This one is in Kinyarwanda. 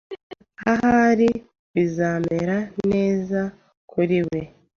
Ahari bizamera neza kuri we.